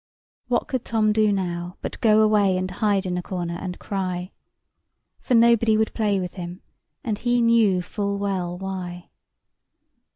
What could Tom do now but go away and hide in a corner and cry? For nobody would play with him, and he knew full well why.